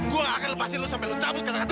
gue nggak akan lepasin lu sampai lu cabut kata kata